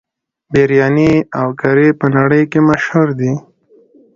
بریاني او کري په نړۍ کې مشهور دي.